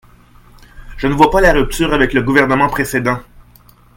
Je ne vois pas la rupture avec le gouvernement précédent.